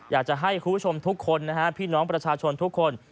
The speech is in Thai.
อยากจะให้คุณผู้ชมทุกคนนะฮะพี่น้องประชาชนทุกคน